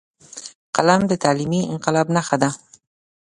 قلم د تعلیمي انقلاب نښه ده